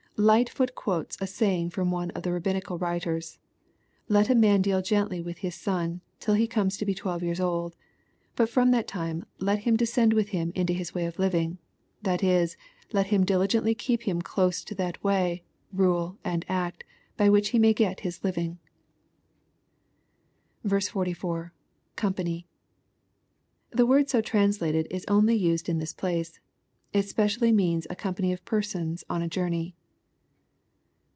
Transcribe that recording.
Lightfoot quotes a saying from one of the Rabbinical writers :^' Let a man deal gently with his son, till he comes to be twelve years old; but from that time let him descend with him into his way of living, — ^that is, let him diligently keep him close to that way, rule, and act, by which he may get his living." 44. — [Compcmy.] The word so translated is only used in this place. It specially means a company of persons on a journey.